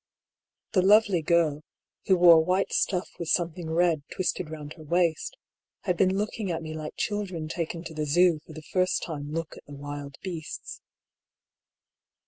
The lovely girl, who wore white stuff with some thing red twisted round her waist, had been looking at me like children taken to the Zoo for the first time look at the wild beasts.